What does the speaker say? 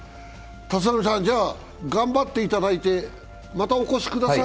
頑張っていただいて、またお越しください。